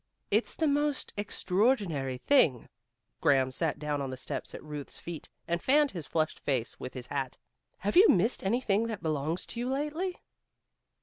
"It's the most extraordinary thing," Graham sat down on the steps at Ruth's feet, and fanned his flushed face with his hat. "Have you missed anything that belongs to you, lately?"